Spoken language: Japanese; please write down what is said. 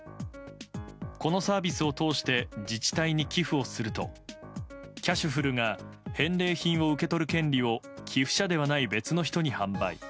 このサービスを通して自治体に寄付をするとキャシュふるが返礼品を受け取る権利を寄付者ではない別の人に販売。